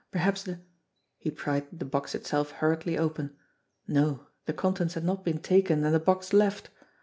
Perhaps the He pried the box itself hurriedly open. No; the contents had not been taken and the box left